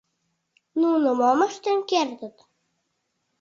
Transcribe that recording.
Нуно мом ыштен кертыт?